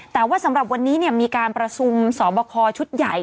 แต่ว่าสำหรับวันนี้มีการประชุมสอบคอชุดใหญ่